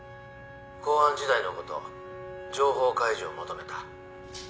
公安時代のこと情報開示を求めた。